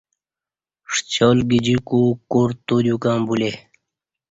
شیال گجیکو کور تودیوکں بولے